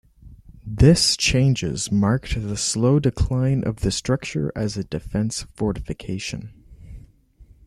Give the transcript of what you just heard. This changes marked the slow decline of the structure as a defense fortification.